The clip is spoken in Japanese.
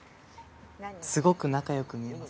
すごく仲良く見えます。